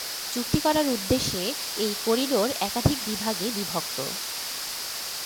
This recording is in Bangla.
চুক্তি করার উদ্দেশ্যে এই করিডোর একাধিক বিভাগে বিভক্ত।